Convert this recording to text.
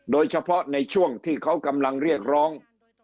โดยเฉพาะในช่วงที่เขากำลังเรียกร้อง